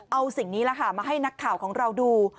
เอาสิ่งนี้มาให้นักข่าวของเราดู